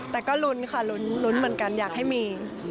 แต่ก็ลุ้นค่ะลุ้นเหมือนกันอยากให้มี